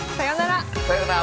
さよなら。